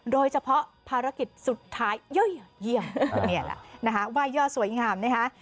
โดยเฉพาะภารกิษฐ์สุดท้ายเยี่ยมเนี้ยล่ะนะคะไหว่ย่อสวยงามนะคะ